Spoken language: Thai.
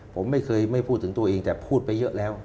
ผมไม่เคยไม่พูดถึงตัวเองแต่พูดไปเยอะแล้ว